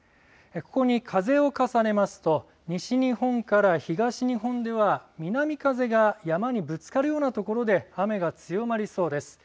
ここに風を重ねますと西日本から東日本では南風が山にぶつかるようなところで雨が強まりそうです。